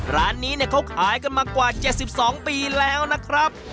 ร้านนี้เขาขายกันมากว่า๗๒ปีแล้วนะครับ